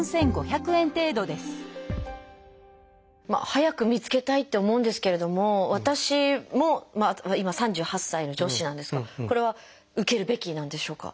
早く見つけたいって思うんですけれども私も今３８歳の女子なんですがこれは受けるべきなんでしょうか？